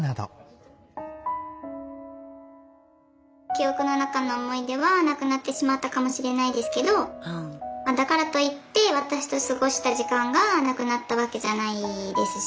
「記憶の中の思い出はなくなってしまったかもしれないですけどだからといって私と過ごした時間がなくなったわけじゃないですし」。